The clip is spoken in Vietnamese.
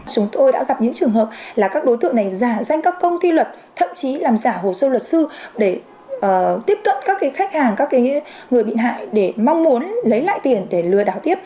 chúng tôi đã gặp những trường hợp là các đối tượng này giả danh các công ty luật thậm chí làm giả hồ sơ luật sư để tiếp cận các khách hàng các người bị hại để mong muốn lấy lại tiền để lừa đảo tiếp